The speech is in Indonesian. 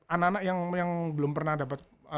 anak anak yang belum pernah dapat